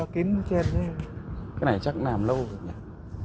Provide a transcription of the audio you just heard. xin chào các bạn